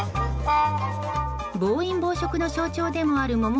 暴飲暴食の象徴でもあるモモ